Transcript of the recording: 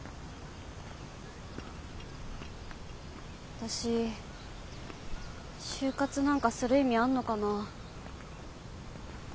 私就活なんかする意味あんのかな。